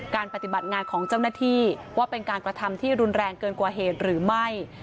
ปฏิบัติงานของเจ้าหน้าที่ว่าเป็นการกระทำที่รุนแรงเกินกว่าเหตุหรือไม่